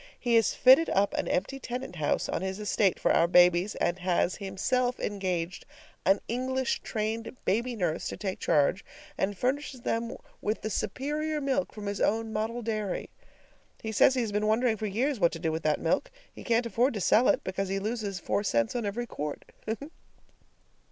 He has fitted up an empty tenant house on the estate for our babies, has himself engaged an English trained baby nurse to take charge, and furnishes them with the superior milk from his own model dairy. He says he has been wondering for years what to do with that milk. He can't afford to sell it, because he loses four cents on every quart!